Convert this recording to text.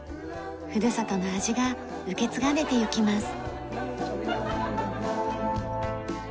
ふるさとの味が受け継がれていきます。